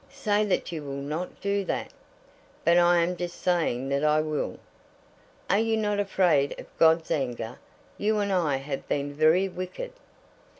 Say that you will not do that!" "But I am just saying that I shall." "Are you not afraid of God's anger? You and I have been very wicked."